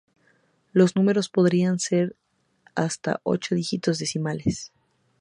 Los números podrían ser de hasta ocho dígitos decimales.